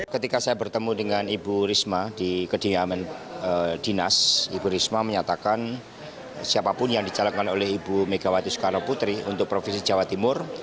ketika saya bertemu dengan ibu risma di kediaman dinas ibu risma menyatakan siapapun yang dicalonkan oleh ibu megawati soekarno putri untuk provinsi jawa timur